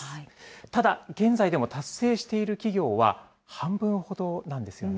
ただ、現在でも達成している企業は半分ほどなんですよね。